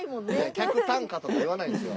「客単価」とか言わないんですよ。